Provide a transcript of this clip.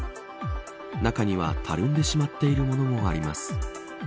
中には、たるんでしまっているものもあります。